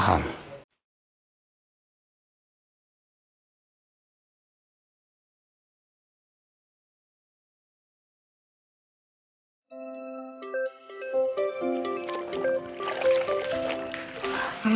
aku mengganti dia